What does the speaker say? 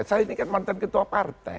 saya ini kan mantan ketua partai